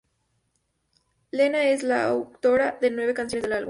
Lena es la co-autora de nueve canciones del álbum.